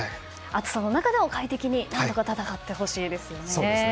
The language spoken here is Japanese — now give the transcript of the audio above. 暑さの中でも快適に何とか戦ってほしいですね。